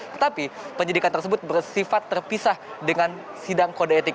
tetapi penyidikan tersebut bersifat terpisah dengan sidang kode etik